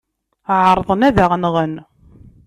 Ɛerḍen ad aɣ-nɣen.